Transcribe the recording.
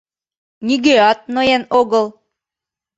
— Нигӧат ноен огыл...